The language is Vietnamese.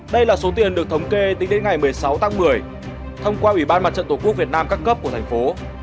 đây là số tiền được thống kê tính đến ngày một mươi sáu tháng một mươi thông qua ủy ban mặt trận tổ quốc việt nam các cấp của thành phố